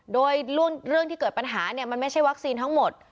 โดยเรื่องที่เกิดปัญหาเนี่ยมันไม่ใช่วัคซีนทั้งหมด